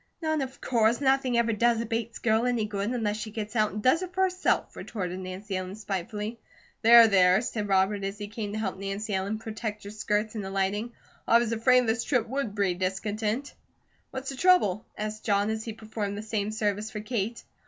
"None, of course! Nothing ever does a Bates girl any good, unless she gets out and does it for herself," retorted Nancy Ellen spitefully. "There, there," said Robert as he came to help Nancy Ellen protect her skirts in alighting. "I was afraid this trip would breed discontent." "What's the trouble?" asked John, as he performed the same service for Kate.